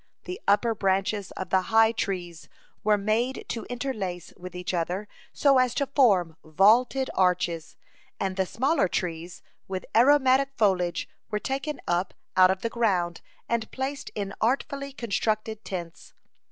The upper branches of the high trees were made to interlace with each other, so as to form vaulted arches, and the smaller trees with aromatic foliage were taken up out of the ground, and placed in artfully constructed tents.